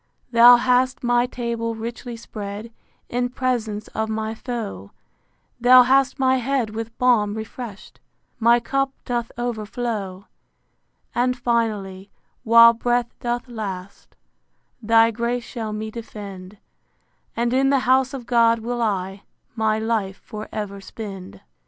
Thou hast my table richly spread In presence of my foe: Thou hast my head with balm refresh'd, My cup doth overflow. And finally, while breath doth last, Thy grace shall me defend: And in the house of God will I My life for ever spend.